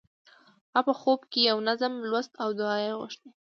هغه په خوب کې یو نظم لوست او دعا یې غوښته